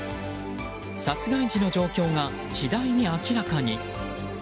殺害時の状況が次第に明らかに。